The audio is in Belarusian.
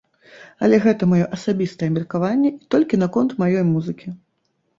Але гэта маё асабістае меркаванне і толькі наконт маёй музыкі.